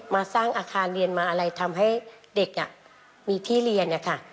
มาสร้างอาคารเรียนมาอะไรทำให้เด็กมีที่เรียนนะคะ